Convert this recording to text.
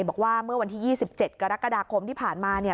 บอกว่าเมื่อวันที่ยี่สิบเจ็ดกรกฎาคมที่ผ่านมาเนี่ย